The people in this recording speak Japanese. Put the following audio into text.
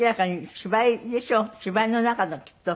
芝居の中のきっと。